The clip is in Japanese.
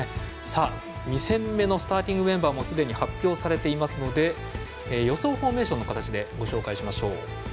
２戦目のスターティングメンバーもすでに発表されていますので予想フォーメーションの形でご紹介しましょう。